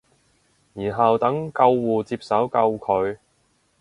然後等救護接手救佢